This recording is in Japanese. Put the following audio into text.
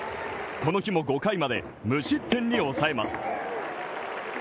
この日も５回まで無失点に抑えます。